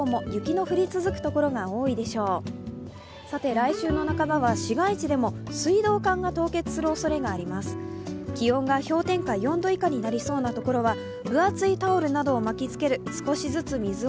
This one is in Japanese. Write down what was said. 来週の半ばは市街地でも水道管が凍結するおそれがあります。